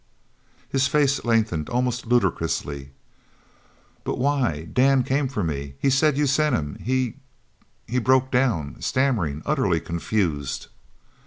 _" His face lengthened almost ludicrously. "But why Dan came for me he said you sent him he " he broke down, stammering, utterly confused.